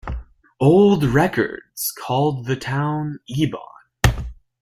Old records called the town Ibon.